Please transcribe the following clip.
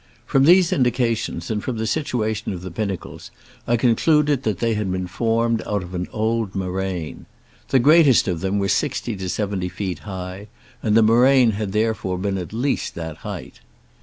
From these indica tions, and from the situation of the pinnacles, I con cluded that they Kad been formed out of an old mo raine. The greatest of them were sixty to seventy feet high, and the moraine had therefore been at least that height.